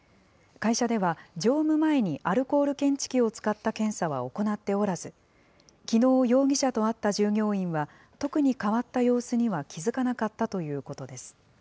会社では、乗務前にアルコール検知器を使った検査は行っておらず、きのう容疑者と会った従業員は、特に変わった様子には気付かなかったということです。